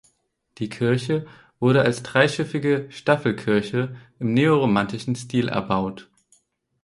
Die Kirche wurde als dreischiffige Staffelkirche im neoromanischen Stil erbaut.